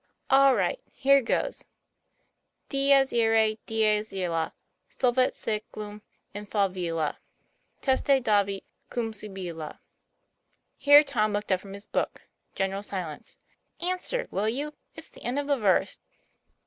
"All right; here goes: 4 Dies ine, dies ilia, Solvet sseclum in favilla, Teste David cum Sibylla. i n Here Tom looked up from his book. General silence. "Answer, will you it's the end of the verse."